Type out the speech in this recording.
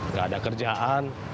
nggak ada kerjaan